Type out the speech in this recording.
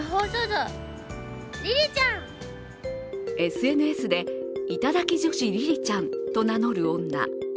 ＳＮＳで、頂き女子・りりちゃんと名乗る女。